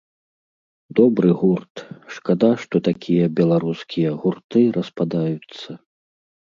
Добры гурт, шкада, што такія беларускія гурты распадаюцца.